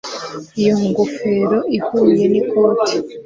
iyo ngofero ihuye n'ikoti